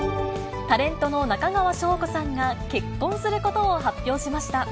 タレントの中川翔子さんが、結婚することを発表しました。